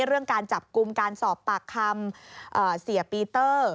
เรื่องการจับกลุ่มการสอบปากคำเสียปีเตอร์